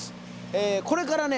これからね